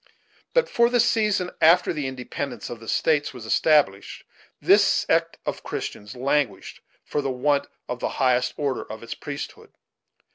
But, for the season, after the independence of the States was established, this sect of Christians languished for the want of the highest order of its priesthood.